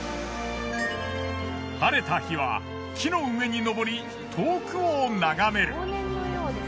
晴れた日は木の上に登り遠くを眺める。